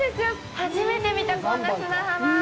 初めて見た、こんな砂浜。